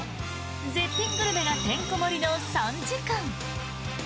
絶品グルメがてんこ盛りの３時間！